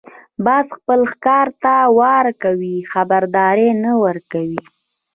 باز خپل ښکار ته وار کوي، خبرداری نه ورکوي